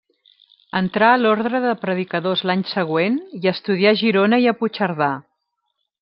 Entrà a l'orde de Predicadors l'any següent, i estudià a Girona i a Puigcerdà.